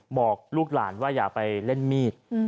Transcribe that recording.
บอกลูกหลานว่าอย่าไปเล่นมีด